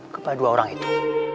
kepada dua orang itu